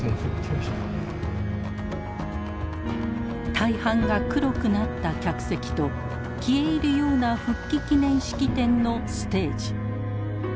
大半が黒くなった客席と消え入るような復帰記念式典のステージ。